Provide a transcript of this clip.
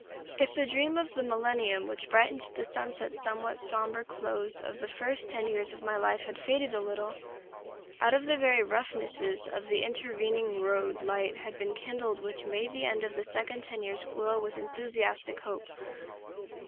If the dream of the millennium which brightened the somewhat sombre close of the first ten years of my life had faded a little, out of the very roughnesses of the intervening road light had been kindled which made the end of the second ten years glow with enthusiastic hope.